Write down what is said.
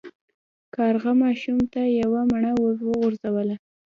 کارغه ماشوم ته یوه مڼه وغورځوله.